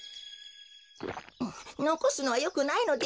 のこすのはよくないのです。